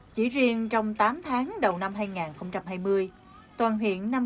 chỉ riêng trong tám tháng đầu năm hai nghìn hai mươi